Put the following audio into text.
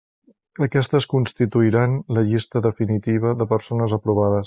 Aquestes constituiran la llista definitiva de persones aprovades.